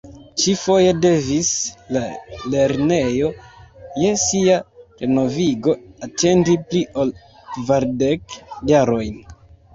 Ĉifoje devis la lernejo je sia renovigo atendi pli ol kvardek jarojn.